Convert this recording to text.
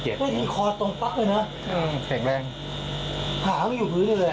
เหมือนหางอยู่พื้นเลยเหรอ